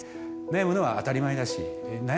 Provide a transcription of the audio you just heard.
悩むのは当たり前だし。